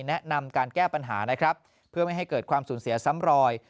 แนะนำการแก้ปัญหานะครับเพื่อไม่ให้เกิดความสูญเสียซ้ำรอย